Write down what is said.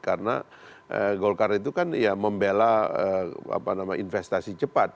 karena golkar itu kan ya membela investasi cepat